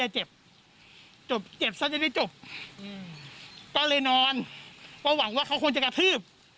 จบเก็บซะจะได้จบก็เลยนอนก็หวังว่าเขาคงจะกระทืบ